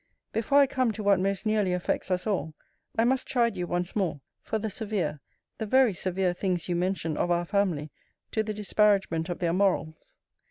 Before I come to what most nearly affects us all, I must chide you once more, for the severe, the very severe things you mention of our family, to the disparagement of their MORALS.